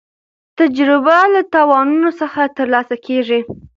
تجربه له تاوانونو څخه ترلاسه کېږي.